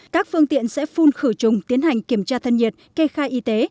các phương tiện sẽ phun khử trùng tiến hành kiểm tra thân nhiệt kê khai y tế